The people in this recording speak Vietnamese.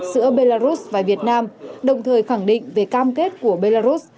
giữa belarus và việt nam đồng thời khẳng định về cam kết của belarus